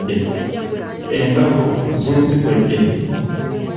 Enbavu zinziggwedde.